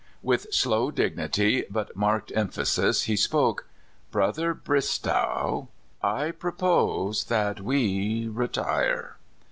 With slow dignity, but marked emphasis, he spoke :" Brother Bristow, I propose that we retire."